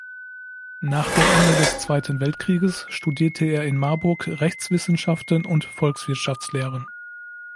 Nach dem Ende des Zweiten Weltkrieges studierte er in Marburg Rechtswissenschaften und Volkswirtschaftslehre.